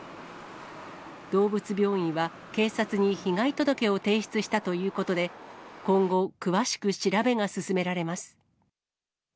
動物病院は、警察に被害届を提出したということで、今後、詳しく調べが進められます。